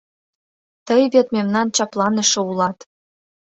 Тый вет мемнан чапланыше улат.